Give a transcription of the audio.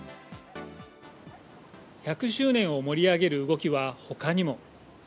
１００周年を盛り上げる動きは他にも。